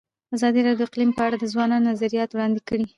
ازادي راډیو د اقلیم په اړه د ځوانانو نظریات وړاندې کړي.